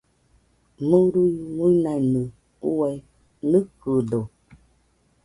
Murui-muinanɨ uai nɨkɨdo.